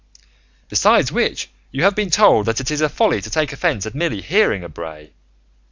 Besides which, you have been told that it is folly to take offence at merely hearing a bray.